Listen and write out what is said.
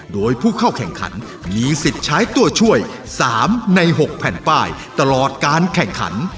โดยผู้เข้าแข่งขันมีสิทธิ์ใช้ตัวช่วย๓ใน๖แผ่นป้ายตลอดการแข่งขัน